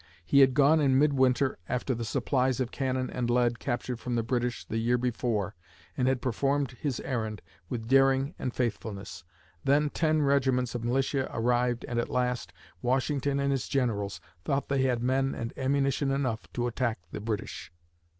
He had gone in midwinter after the supplies of cannon and lead captured from the British the year before and had performed his errand with daring and faithfulness. Then ten regiments of militia arrived and at last, Washington and his generals thought they had men and ammunition enough to attack the British.